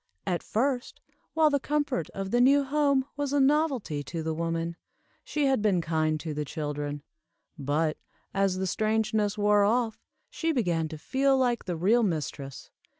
At first, while the comfort of the new home was a novelty to the woman, she had been kind to the children; but, as the strangeness wore off, she began to feel like the real mistress.